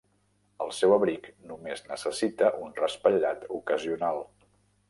El seu abric només necessita un raspallat ocasional.